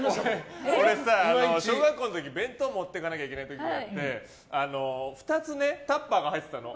俺さ、小学校の時に弁当持ってかなきゃいけない時があって２つね、タッパーが入ってたの。